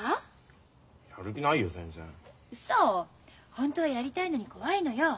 本当はやりたいのに怖いのよ。